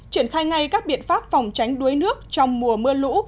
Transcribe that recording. triển khai ngay các biện pháp phòng tránh đuối nước trong mùa mưa lũ